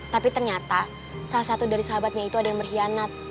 tapi ternyata salah satu dari sahabatnya itu ada yang berkhianat